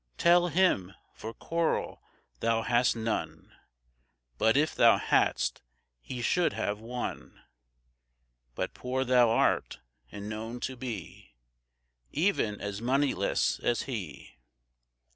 Tell Him, for coral thou hast none, But if thou hadst, He should have one; But poor thou art, and known to be Even as moneyless as He.